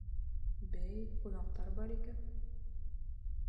Бәй, ҡунаҡтар бар икән.